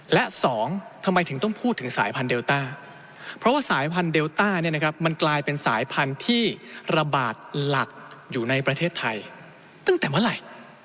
และ๒ทำไมถึงต้องพูดถึงสายพันธุ์เดลต้าเพราะว่าสายพันธุ์เดลต้ามันกลายเป็นสายพันธุ์ที่ระบาดหลักอยู่ในประเทศไทย